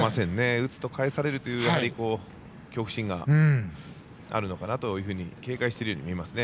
打つと返されるという恐怖心があるのかなと警戒しているように見えますね。